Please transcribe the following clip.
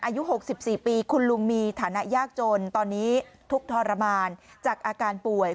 อายุ๖๔ปีคุณลุงศักดิ์ศรีมพันธุ์มีฐานะยากจนตอนนี้ทุกข์ทรมานจากอาการป่วย